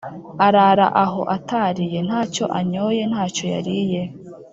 arara aho atariye, nta cyo anyoye, nta cyo yariye.